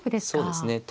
そうですね。